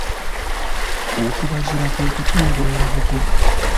Okubazira kwe kutunga olubugo.